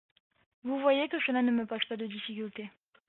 Vous voyez que cela ne me pose pas de difficultés.